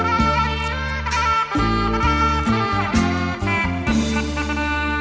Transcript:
เหรอละเนินทิว